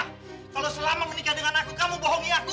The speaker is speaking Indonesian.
kalau selama menikah dengan aku kamu bohongi aku